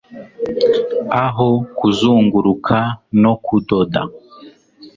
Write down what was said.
aho kuzunguruka no kudoda